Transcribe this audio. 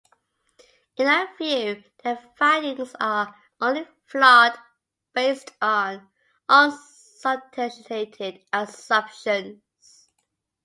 In our view, their findings are only flawed based on unsubstantiated assumptions.